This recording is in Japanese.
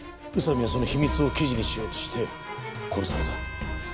宇佐美はその秘密を記事にしようとして殺された。